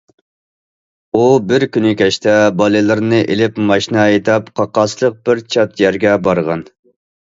ئۇ بىر كۈنى كەچتە بالىلىرىنى ئېلىپ ماشىنا ھەيدەپ قاقاسلىق بىر چەت يەرگە بارغان.